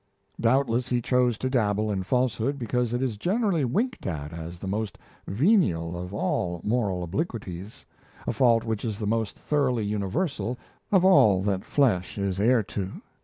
Doubtless he chose to dabble in falsehood because it is generally winked at as the most venial of all moral obliquities a fault which is the most thoroughly universal of all that flesh is heir to.